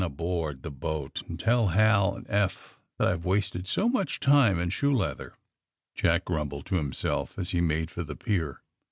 aboard the boat and tell Hal and Eph that I Ve wasted so much time and shoe leather," Jack grumbled to himself as he made for the pier.